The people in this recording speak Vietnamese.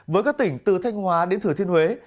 với các tỉnh từ thanh hóa đến thừa thiên huế